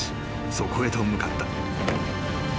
そこへと向かった］